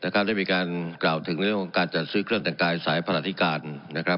กราบเรียนมีการกล่าวถึงเรื่องการจัดซื้อเครื่องแต่งกายสายพลาดิการนะครับ